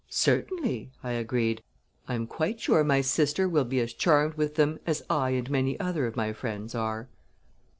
"Certainly!" I agreed. "I am quite sure my sister will be as charmed with them as I and many other of my friends are."